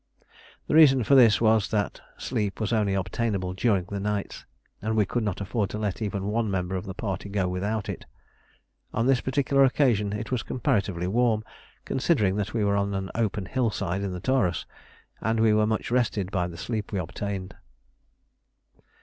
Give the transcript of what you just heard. The reason for this was that sleep was only obtainable during the nights, and we could not afford to let even one member of the party go without it. On this particular occasion it was comparatively warm, considering that we were on an open hillside in the Taurus, and we were much rested by the sleep we obtained.